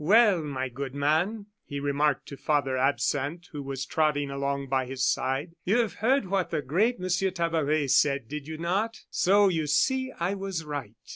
"Well, my good man," he remarked to Father Absinthe, who was trotting along by his side, "you have heard what the great Monsieur Tabaret said, did you not? So you see I was right."